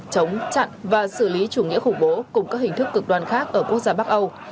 chống chặn và xử lý chủ nghĩa khủng bố cùng các hình thức cực đoan khác ở quốc gia bắc âu